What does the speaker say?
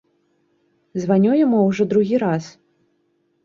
Званю яму ўжо другі раз.